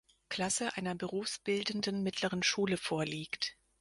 Klasse einer berufsbildenden mittleren Schule vorliegt.